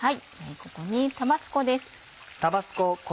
ここにタバスコです。